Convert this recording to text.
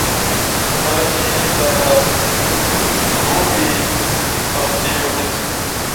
کله چې د اوړې تودې ورځې.